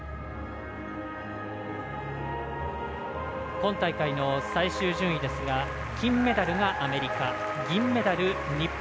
今大会の最終順位ですが金メダルがアメリカ銀メダル、日本